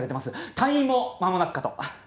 退院もまもなくかと。